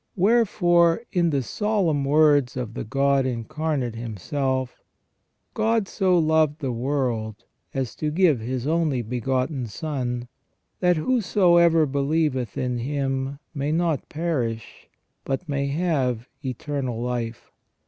t Wherefore, in the solemn words of the God Incarnate Himself: " God so loved the world, as to give His only begotten Son ; that whosoever believeth in Him, may not perish, but may have eternal life.